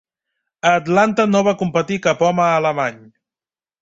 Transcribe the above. A Atlanta no va competir cap home alemany.